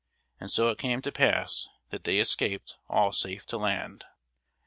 And so it came to pass, that they escaped all safe to land.